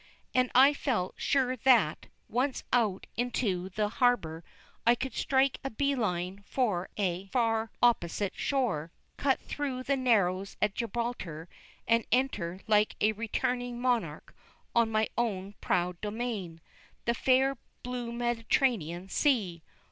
And I felt sure that, once out into the harbor, I could strike a bee line for a far opposite shore, cut through the narrows at Gibraltar, and enter like a returning monarch on my own proud domain, the fair blue Mediterranean Sea.